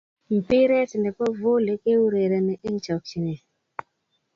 Mpiret ne bo Voli keurereni eng chokchinee.